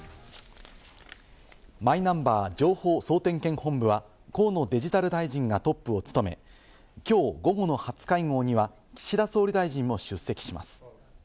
マイナンバー情報総点検本部は河野デジタル大臣がトップを務め、きょう午後の初会合には岸田総理大臣も出席します。